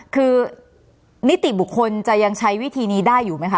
คือนิติบุคคลจะยังใช้วิธีนี้ได้อยู่ไหมคะ